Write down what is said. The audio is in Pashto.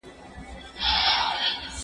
زه اجازه لرم چي امادګي ونيسم!.